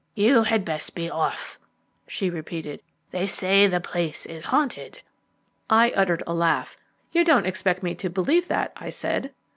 "You had best be off," she repeated; "they say the place is haunted." I uttered a laugh. "You don't expect me to believe that?" I said.